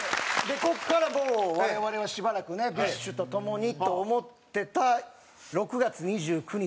ここからもう我々はしばらくねＢｉＳＨとともにと思ってた６月２９日に。